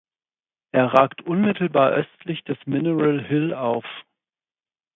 Er ragt unmittelbar östlich des Mineral Hill auf.